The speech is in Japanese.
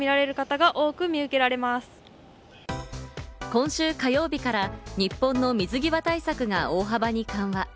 今週火曜日から日本の水際対策が大幅に緩和。